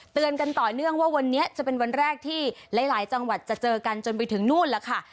เตือนกันต่อเนื่องว่าวันนี้จะเป็นวันแรกที่หลายจังหวัดจะเจอกันจนไปถึงนู่นแล้วค่ะ